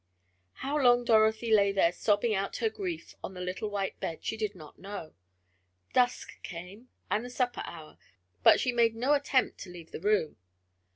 How long Dorothy lay there sobbing out her grief on the little white bed, she did not know. Dusk came and the supper hour, but she made no attempt to leave the room.